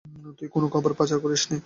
তুই কোনো খবর পাচার করিসনি?